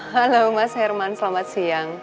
halo mas herman selamat siang